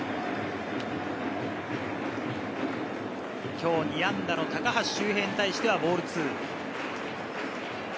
今日２安打の高橋周平に対しては２ボール。